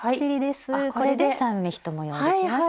これで３目１模様ができました。